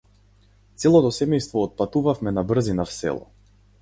Целото семејство отпатувавме набрзина в село.